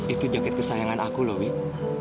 itu jaket kesayangan aku wih